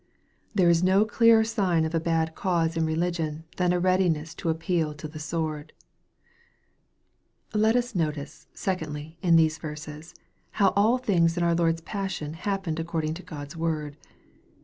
There is no clearer sign of a bad cause in religion than a readiness to appeal to the sword. Let us notice, secondly, in these verses, how all things in our Lord's passion happened according to God's word.